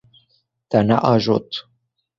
Te neajot.